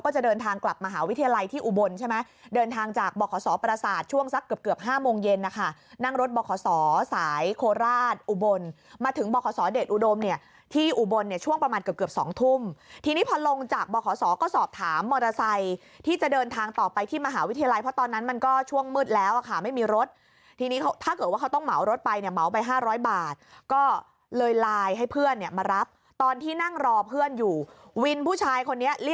จากบอกขอสอประศาจช่วงสักเกือบ๕โมงเย็นนะคะนั่งรถบอกขอสอสายโคราชอุบลมาถึงบอกขอสอเดชอุดมเนี่ยที่อุบลเนี่ยช่วงประมาณเกือบ๒ทุ่มทีนี้พอลงจากบอกขอสอก็สอบถามมอเตอร์ไซค์ที่จะเดินทางต่อไปที่มหาวิทยาลัยเพราะตอนนั้นมันก็ช่วงมืดแล้วค่ะไม่มีรถทีนี้ถ้าเกิดว่าเขาต้องเหมาร